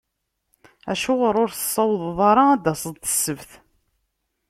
Acuɣer ur tessawḍeḍ ara ad d-taseḍ d ssebt?